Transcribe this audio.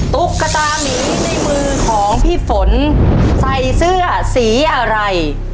ตุ๊กตามีในมือของพี่ฝนใส่เสื้อสีอะไร